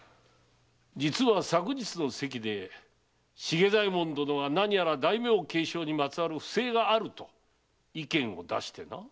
実は昨日の席で茂左衛門殿は「何やら大名継承にまつわる不正がある」と意見を出してな。